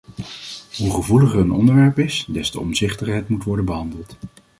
Hoe gevoeliger een onderwerp is, des te omzichtiger het moet worden behandeld.